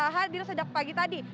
hadir sedang pagi tadi